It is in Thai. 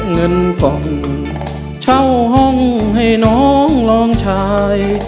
เงินกล่องเช่าห้องให้น้องลองชาย